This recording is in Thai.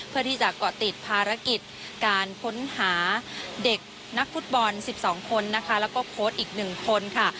เพื่อที่จะเกาะติดภารกิจการค้นหาเด็กนักฟุตบอล๑๒คนนะคะแล้วก็โค้ชอีก๑คนค่ะ